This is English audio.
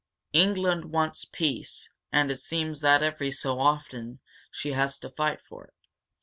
"England wants peace. And it seems that, every so often, she has to fight for it.